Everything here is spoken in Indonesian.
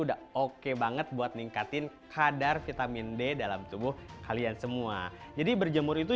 udah oke banget buat ningkatin kadar vitamin d dalam tubuh kalian semua jadi berjemur itu